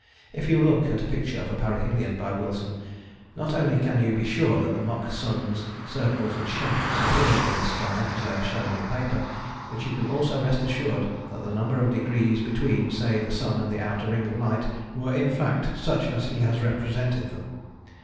If you look at a picture of a parhelion by Wilson not only can you be sure that the mock suns, circles and shafts appeared in the sky as they are shown on paper, but you can also rest assured that the number of degrees between, say, the sun and the outer ring of light were in fact such as he has represented them.